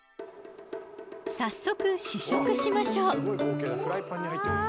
早速試食しましょう！